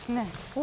お。